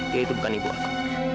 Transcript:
dia itu bukan ibu aku